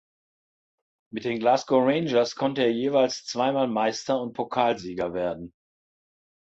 Mit den Glasgow Rangers konnte er jeweils zweimal Meister und Pokalsieger werden.